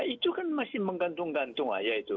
itu kan masih menggantung gantung aja itu